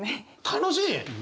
楽しい？